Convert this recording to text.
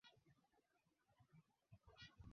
na moja kuwaachia wafungwa wa kisiasa wapatao hamsini